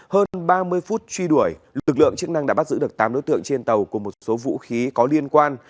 hơn ba mươi phút truy đuổi lực lượng chức năng đã bắt giữ được tám đối tượng trên tàu cùng một số vũ khí có liên quan